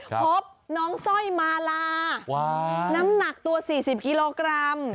พบน้องสร้อยมาลาน้ำหนักตัว๔๐กิโลกรัม